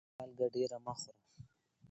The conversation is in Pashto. مالګه ډيره مه خوره